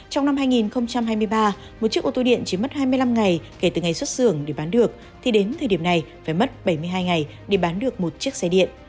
trong năm hai nghìn hai mươi ba một chiếc ô tô điện chỉ mất hai mươi năm ngày kể từ ngày xuất xưởng để bán được thì đến thời điểm này phải mất bảy mươi hai ngày để bán được một chiếc xe điện